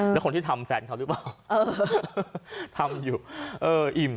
แล้วคนที่ทำแฟนเขาหรือเปล่าทำอยู่เอออิ่ม